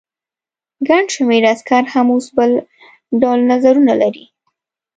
ګڼ شمېر عسکر هم اوس بل ډول نظرونه لري.